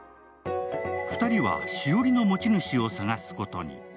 ２人は、栞の持ち主を探すことに。